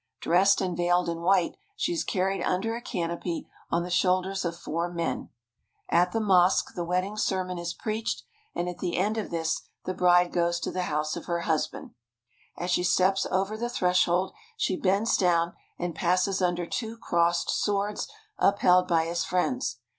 Dressed and veiled in white, she is carried under a canopy on the shoulders of four men. At the 229 THE HOLY LAND AND SYRIA mosque the wedding sermon is preached, and at the end of this the bride goes to the house of her husband. As she steps over the threshold she bends down and passes under two crossed swords upheld by his friends.